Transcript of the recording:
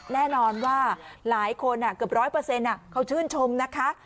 แน่นอนว่าหลายคนเกือบร้อยเปอร์เซ็นต์เขาชื่นชมนะคะ